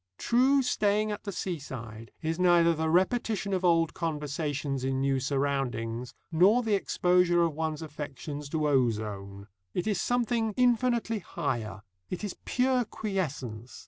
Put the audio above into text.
True staying at the seaside is neither the repetition of old conversations in new surroundings nor the exposure of one's affections to ozone. It is something infinitely higher. It is pure quiescence.